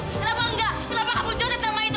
kenapa enggak kenapa kamu coret nama itu